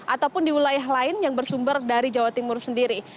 ataupun di wilayah lain yang bersumber dari jawa timur sendiri